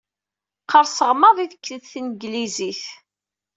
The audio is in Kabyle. Qqerseɣ maḍi deg tneglizit.